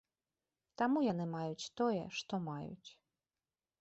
Таму яны маюць тое, што маюць.